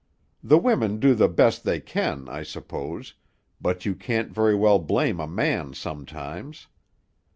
The women do the best they can, I suppose, but you can't very well blame a man sometimes.